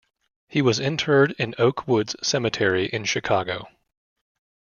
He was interred in Oak Woods Cemetery in Chicago.